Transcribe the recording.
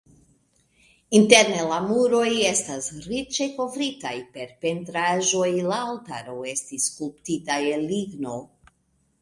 Interne la muroj estas riĉe kovritaj per pentraĵoj, la altaro estis skulptita el ligno.